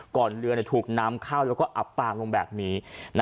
เรือถูกน้ำเข้าแล้วก็อับปางลงแบบนี้